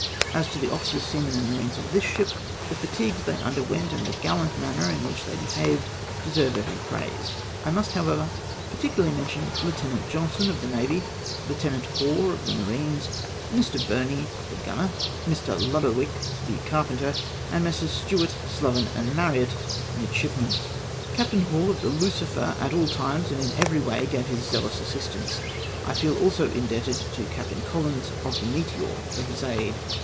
As to the officers, seamen, and marines of this ship, the fatigues they underwent, and the gallant manner in which they behaved, deserve every j)raise. I must, however, particularly mention Lieutenant Johnson, of the navy. Lieutenant Hoare, of the marines, Mr. Burney, the gunner, Mr. Lodowick, the car penter, and Messrs. Stewart, Sloven, and Marryat, midship men. " Captain Hall, of the Lucifer, at all times and in every way gave his zealous assistance. I feel also indebted to Captain Collens, of the Meteor, for his aid.